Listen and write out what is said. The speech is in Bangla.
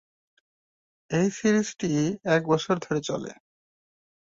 এই সিরিজটি এক বছর ধরে চলে।